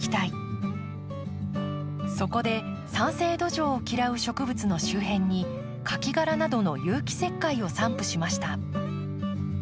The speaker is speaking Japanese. そこで酸性土壌を嫌う植物の周辺に牡蠣殻などの有機石灰を散布しました。